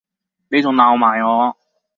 你仲鬧埋我